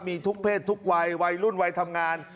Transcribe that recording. มีทุกเพศทุกวัยวัยรุ่นวัยทำงาน